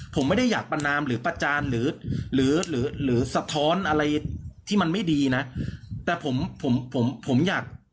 ผมไม่ได้อยากประนามหรือประจานหรือหรือสะท้อนอะไรที่มันไม่ดีนะแต่ผมผมผมอยาก